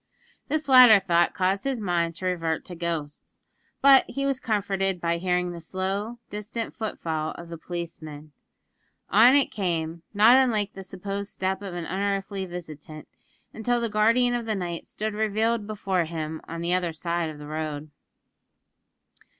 This latter thought caused his mind to revert to ghosts; but he was comforted by hearing the slow, distant foot fall of the policeman. On it came, not unlike the supposed step of an unearthly visitant, until the guardian of the night stood revealed before him on the other side of the road.